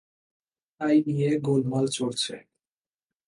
তাই নিয়ে গোলমাল চলছে।